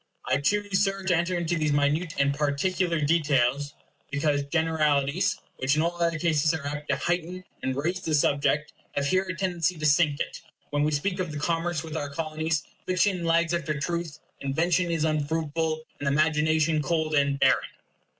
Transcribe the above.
I choose, Sir, to enter into these minute and particular details, because generalities, which in all other cases are apt to heighten and raise the subject, have here a tendency to sink it. When we speak of the commerce with our Colonies, fiction lags after truth, invention is unfruitful, and imagination cold and barren.